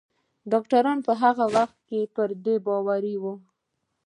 ډاکتران په هغه وخت کې پر دې باور وو